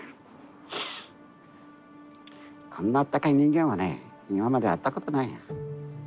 こんなあったかい人間はね今まで会ったことないよ。